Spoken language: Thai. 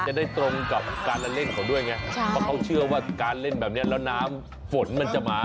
จะได้ตรงกับการเล่นเขาด้วยไงเพราะเขาเชื่อว่าการเล่นแบบนี้แล้วน้ำฝนมันจะมา